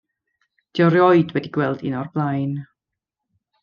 'Di o rioed wedi gweld un o'r blaen.